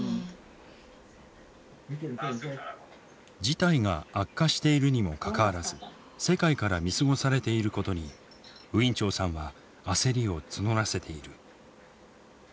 事態が悪化しているにもかかわらず世界から見過ごされていることにウィン・チョウさんは焦りを募らせている。